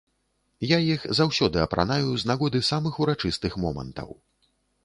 Я іх заўсёды апранаю з нагоды самых урачыстых момантаў.